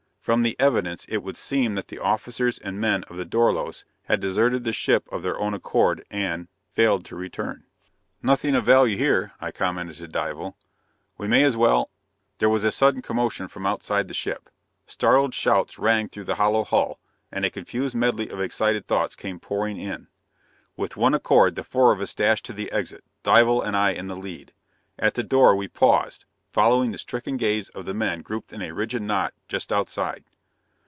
From the evidence, it would seem that the officers and men of the Dorlos had deserted the ship of their own accord, and failed to return. "Nothing of value here," I commented to Dival. "We may as well " There was a sudden commotion from outside the ship. Startled shouts rang through the hollow hull, and a confused medley of excited thoughts came pouring in. With one accord the four of us dashed to the exit, Dival and I in the lead. At the door we paused, following the stricken gaze of the men grouped in a rigid knot just outside.